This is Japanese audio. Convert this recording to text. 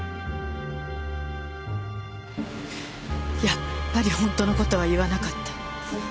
やっぱりホントのことは言わなかった。